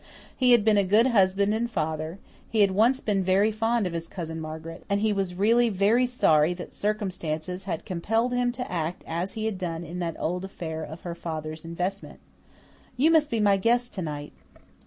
He had been a good husband and father; he had once been very fond of his Cousin Margaret; and he was really very sorry that "circumstances" had "compelled" him to act as he had done in that old affair of her father's investment. "You must be my guest to night."